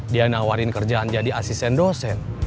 dia nawarin kerjaan jadi asisten dosen